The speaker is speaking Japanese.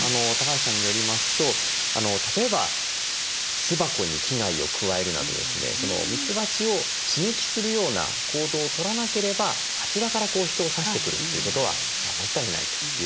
橋さんによりますと例えば巣箱に危害を加えるなどですねミツバチを刺激するような行動をとらなければあちらから人を刺してくるということはめったにないということなんです。